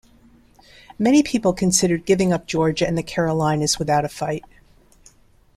Many people considered giving up Georgia and the Carolinas without a fight.